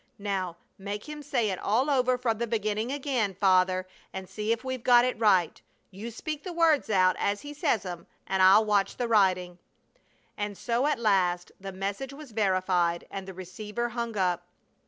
"Now, make him say it all over from the beginning again, Father, and see if we've got it right. You speak the words out as he says 'em, and I'll watch the writing." And so at last the message was verified and the receiver hung up.